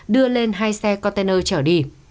đưa lên hai xe container chở đi